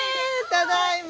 ただいま。